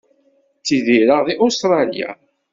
Ttidireɣ deg Ustṛalya.